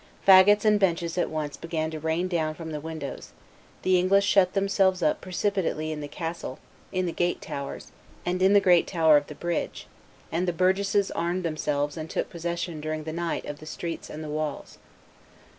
Fagots and benches at once began to rain down from the windows; the English shut themselves up precipitately in the castle, in the gate towers, and in the great tower of the bridge; and the burgesses armed themselves and took possession during the night of the streets and the walls.